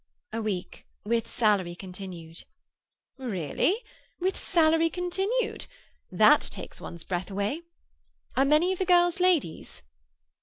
"A week, with salary continued." "Really? With salary continued? That takes one's breath away.—Are many of the girls ladies?"